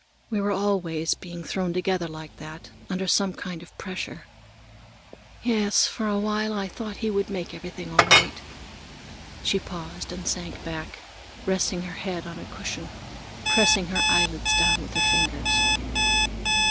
We were always being thrown together like that, under some kind of pressure. Yes, for a while I thought he would make everything right." She paused and sank back, resting her head on a cushion, pressing her eyelids down with her fingers.